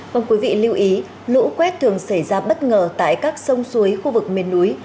vâng quý vị lưu ý lũ quét thường xảy ra bất ngờ tại các sông suối khu vực miền núi